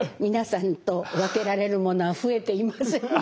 皆さんと分けられるものは増えていませんね。